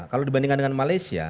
kalau dibandingkan dengan malaysia